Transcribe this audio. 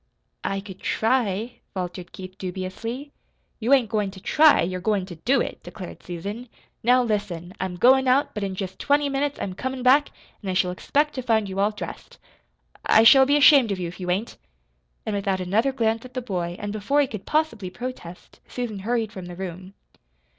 "I could try," faltered Keith dubiously. "You ain't goin' to TRY, you're goin' to DO it," declared Susan. "Now, listen. I'm goin' out, but in jest twenty minutes I'm comin' back, an' I shall expect to find you all dressed. I I shall be ashamed of you if you ain't." And without another glance at the boy, and before he could possibly protest, Susan hurried from the room.